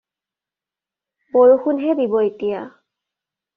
বৰষুণহে দিব এতিয়া।